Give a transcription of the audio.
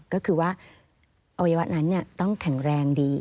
ก็คือว่าอวัยวะนั้นต้องแข็งแรงดี